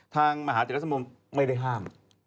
ทางมหาเจรสมุนไม่ได้ห้าม